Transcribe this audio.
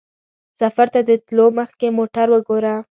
سفر ته د تلو مخکې موټر وګوره.